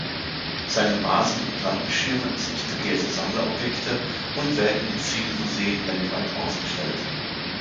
Seine Vasen und Lampenschirme sind begehrte Sammlerobjekte und werden in vielen Museen weltweit ausgestellt.